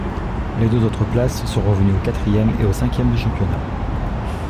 Les deux autres places sont revenues au quatrième et au cinquième du championnat.